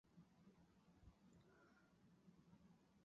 古代有斯基泰人活动。